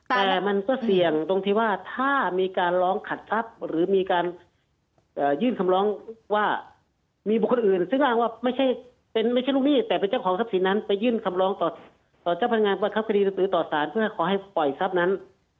แต่มันก็เสี่ยงตรงที่ว่าถ้ามีการร้องขัดทรัพย์หรือมีการยื่นคำร้องว่ามีบุคคลอื่นซึ่งอ้างว่าไม่ใช่ลูกหนี้แต่เป็นเจ้าของทรัพย์สินนั้นไปยื่นคำร้องต่อเจ้าพนักงานประคับคดีหนังสือต่อสารเพื่อขอให้ปล่อยทรัพย์นั้น